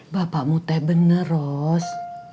bapakmu teh bener ros